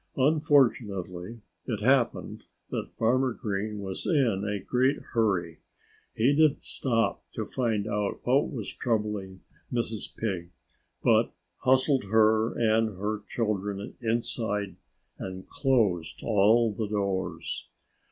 Unfortunately, it happened that Farmer Green was in a great hurry. He didn't stop to find out what was troubling Mrs. Pig, but hustled her and her children inside and closed all the doors.